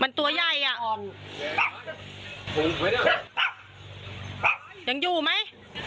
มันตัวใยอะยังอยู่มั้ย